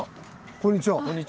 こんにちは。